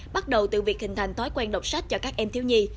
bắt đầu từ việc hình thành thói quen đọc sách cho các em thiếu nhi